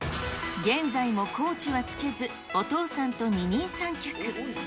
現在もコーチはつけず、お父さんと二人三脚。